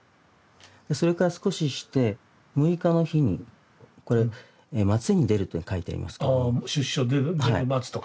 それから少しして６日の日にこれ「松江に出る」と書いてありますけども。